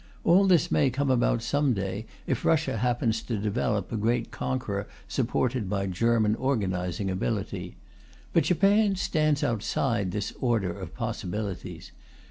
All this may come about some day, if Russia happens to develop a great conqueror supported by German organizing ability. But Japan stands outside this order of possibilities.